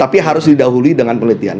tapi harus didahului dengan penelitian